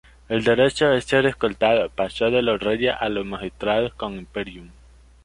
El derecho a ser escoltado pasó de los reyes a los magistrados con "imperium".